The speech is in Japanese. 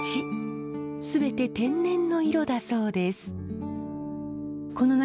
全て天然の色だそうです。